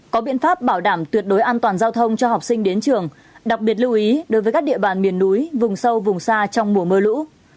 có biện pháp bảo đảm tuyệt đối an toàn giao thông cho học sinh đến trường đặc biệt lưu ý đối với các địa bàn miền núi vùng sâu vùng xa trong mùa mưa lũ